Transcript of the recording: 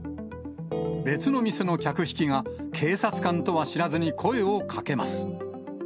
別の店の客引きが、警察官とは知らずに声をかけます。